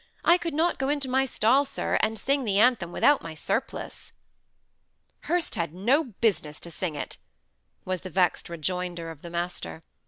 I could not go into my stall, sir, and sing the anthem without my surplice." "Hurst had no business to sing it," was the vexed rejoinder of the master.